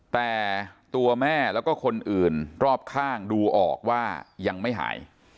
แต่ตัวแม่แล้วก็คนอื่นรอบข้างดูออกว่ายังไม่หาย